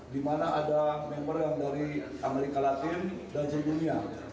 di mana ada member yang dari amerika latin dan sedunia